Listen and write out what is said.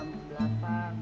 setiap hari menghabiskan thus